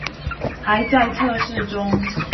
還在測試中